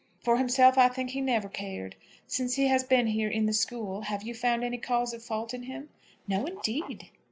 For himself, I think, he never cared. Since he has been here, in the school, have you found any cause of fault in him?" "No, indeed."